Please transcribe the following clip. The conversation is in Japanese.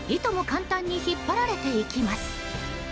簡単に引っ張られていきます。